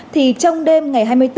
thì trong đêm ngày hai mươi bốn